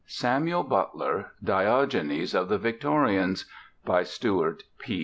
SAMUEL BUTLER: DIOGENES OF THE VICTORIANS By STUART P.